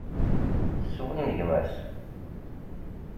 Swingem-as.